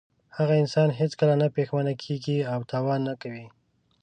هغه انسان هېڅکله نه پښېمانه کیږي او تاوان نه کوي.